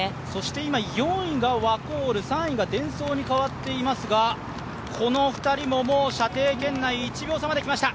今、４位がワコール、３位がデンソーに代わっていますが、この２人ももう射程圏内、１秒差まできました。